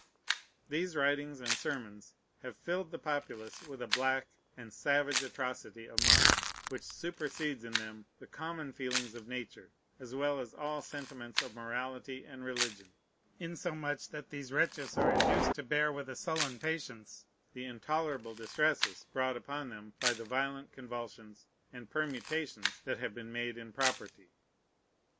These writings and sermons have filled the populace with a black and savage atrocity of mind, which supersedes in them the common feelings of Nature, as well as all sentiments of morality and religion; insomuch that these wretches are induced to bear with a sullen patience the intolerable distresses brought upon them by the violent convulsions and permutations that have been made in property.